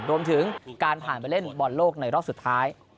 รวมถึงการผ่านไปเล่นบอลโลกในรอบสุดท้าย